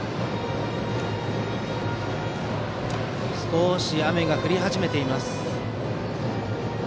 少し雨が降り始めています。